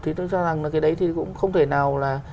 thì tôi cho rằng là cái đấy thì cũng không thể nào là